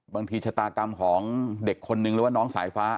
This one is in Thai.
ชะตากรรมของเด็กคนนึงหรือว่าน้องสายฟ้า